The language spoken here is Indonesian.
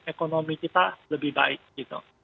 ekonomi kita lebih baik gitu